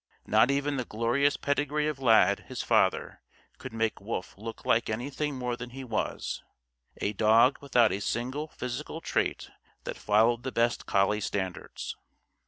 Not even the glorious pedigree of Lad, his father, could make Wolf look like anything more than he was a dog without a single physical trait that followed the best collie standards.